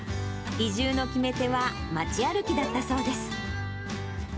移住の決め手は町歩きだったそうです。